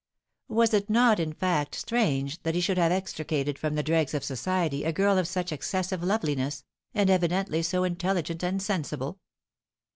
Was it not, in fact, strange that he should have extricated from the dregs of society a girl of such excessive loveliness, and evidently so intelligent and sensible?